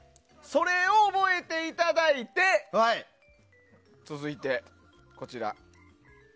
それを覚えていただいて続いて、こちら。